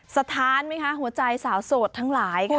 สถานไหมคะหัวใจสาวโสดทั้งหลายค่ะ